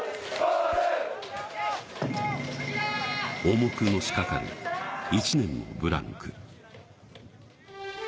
重くのしかかる１年のブランク。